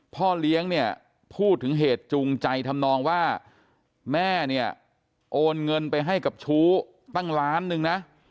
พ่อเลี้ยงเนี่ยพูดถึงเหตุจูงใจทำนองว่าแม่เนี่ยโอนเงินไปให้กับชู้ตั้งล้านหนึ่งนะ